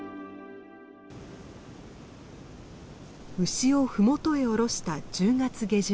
牛を麓へ下ろした１０月下旬。